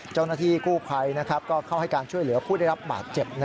เจ้าหน้าที่กู้ภัยก็เข้าให้การช่วยเหลือผู้ได้รับบาดเจ็บ